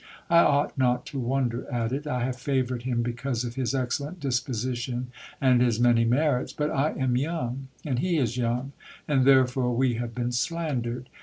I ought not to wonder at it. I have favoured him because of his excellent disposition and his many merits. But I am young, and he is young, and therefore we have been slandered.